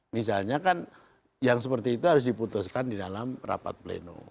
misalnya kan yang seperti itu harus diputuskan di dalam rapat pleno